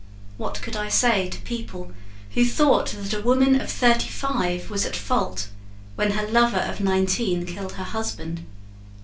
What could I say to people who thought That a woman of thirty five was at fault When her lover of nineteen killed her husband?